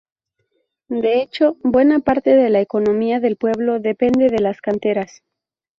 De hecho buena parte de la economía del pueblo depende de las canteras.